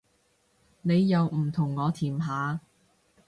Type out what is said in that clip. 你又唔同我甜下